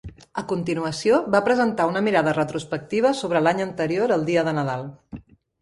A continuació, va presentar una mirada retrospectiva sobre l'any anterior el dia de Nadal.